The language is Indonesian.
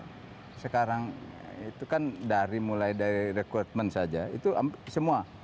nah sekarang itu kan dari mulai dari rekrutmen saja itu semua